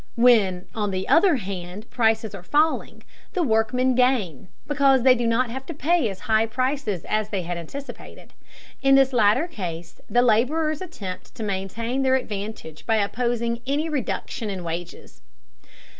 When, on the other hand, prices are falling, the workmen gain, because they do not have to pay as high prices as they had anticipated. In this latter case, the laborers attempt to maintain their advantage by opposing any reduction in wages.